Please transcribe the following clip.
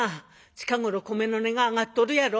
近頃米の値が上がっとるやろ。